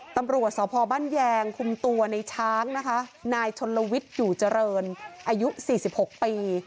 ตำรวจสพบ้านแยงคุมตัวในช้างนะคะนายชนลวิทย์อยู่เจริญอายุ๔๖ปี